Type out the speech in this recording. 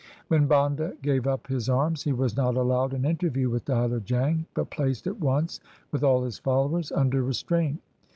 When Banda gave up his arms, he was not allowed an interview with Diler Jang, but placed at once with all his followers under restraint.